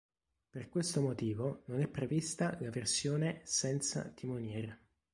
Per questo motivo non è prevista la versione "senza" timoniere.